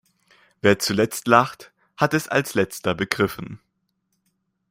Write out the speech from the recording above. Wer zuletzt lacht, hat es als Letzter begriffen.